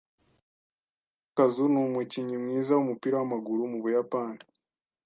Bavuga ko Kazu numukinnyi mwiza wumupira wamaguru mu Buyapani.